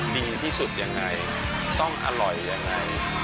ดีที่สุดอย่างไรต้องอร่อยอย่างไร